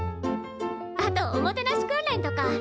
あとおもてなし訓練とか。